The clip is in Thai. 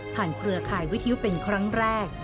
ผ่านเผลอข่ายวิทยุเป็นครั้งแรก